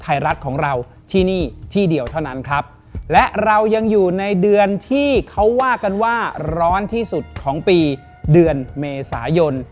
ไทยรัฐของเราที่นี่ที่เดียวเท่านั้นครับและเรายังอยู่ในเดือนที่เขาว่ากันว่าร้อนที่สุดของปีเดือนเมษายน